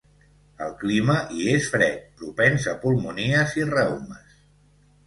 El clima hi és fred, propens a pulmonies i reumes.